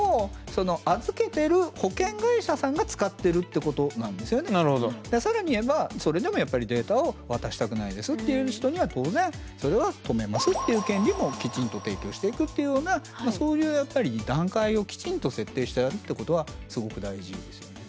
でもここが大事なところがですね更に言えばそれでもやっぱりデータを渡したくないですって人には当然それは止めますっていう権利もきちんと提供していくっていうようなそういうやっぱり段階をきちんと設定してあるってことはすごく大事ですよね。